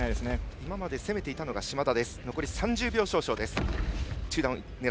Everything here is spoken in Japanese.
今まで攻めていたのが嶋田。